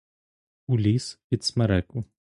У ліс під смереку!